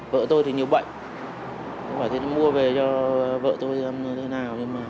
vợ tôi thì nhiều bệnh tôi phải mua về cho vợ tôi làm thế nào